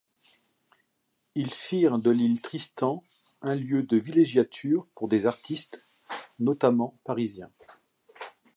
Ils firent de l'Île Tristan un lieu de villégiature pour des artistes, notamment parisiens.